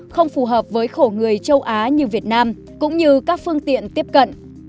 không phù hợp với khổ người châu á như việt nam cũng như các phương tiện tiếp cận